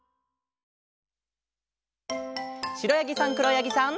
しろやぎさんくろやぎさん。